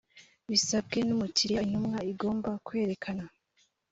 bisabwe n umukiriya intumwa igomba kwerekana